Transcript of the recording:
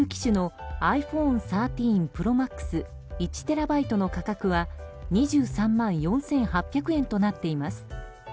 高級機種のｉＰｈｏｎｅ１３ＰｒｏＭａｘ１テラバイトの価格は２３万４８００円となっています。